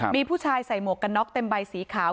มีผู้ชายใส่หมวกกันน็อกเต็มใบสีขาว